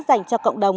dành cho cộng đồng